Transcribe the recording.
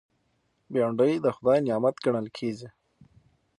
بېنډۍ د خدای نعمت ګڼل کېږي